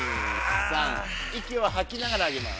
息を吐きながら行きます。